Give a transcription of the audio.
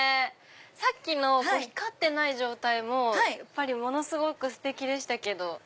さっきの光ってない状態もものすごくステキでしたけど。